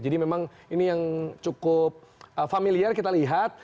jadi memang ini yang cukup familiar kita lihat